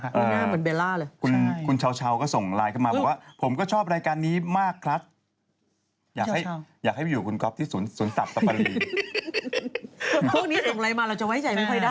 ทุกอย่างสวยน่ารักเนี่ยค่ะน้องคนนี้น่ารัก